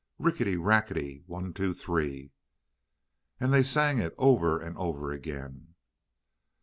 Rickety, rackety one, two, three." And they sang it over and over again.